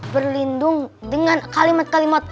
berlindung dengan kalimat kalimat